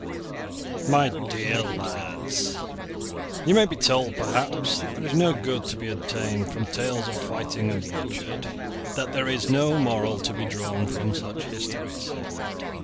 MY DEAR LADS, You may be told perhaps that there is no good to be obtained from tales of fighting and bloodshed, that there is no moral to be drawn from such histories.